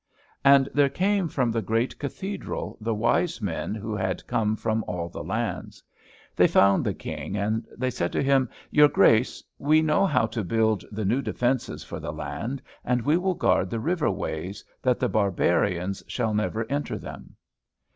And there came from the great Cathedral the wise men who had come from all the lands. They found the King, and they said to him, "Your Grace, we know how to build the new defences for the land, and we will guard the river ways, that the barbarians shall never enter them."